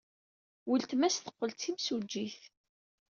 Weltma-s teqqel d timsujjit.